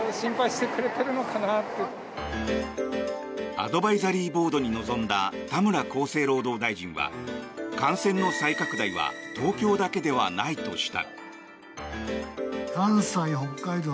アドバイザリーボードに臨んだ田村厚生労働大臣は感染の再拡大は東京だけではないとした。